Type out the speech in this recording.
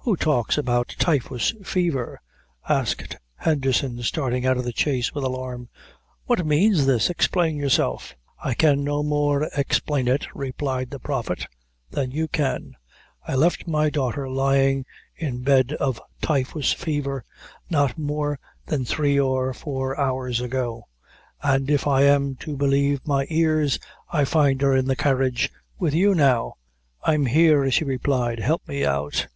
"Who talks about typhus fever?" asked Henderson, starting out of the chaise with alarm. "What means this? Explain yourself." "I can no more explain it," replied the Prophet, "than you can. I left my daughter lyin' in bed of typhus faver, not more than three or four hours ago; an' if I'm to believe my ears, I find her in the carriage with you now!" "I'm here," she replied; "help me out."